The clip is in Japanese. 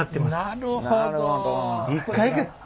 なるほど。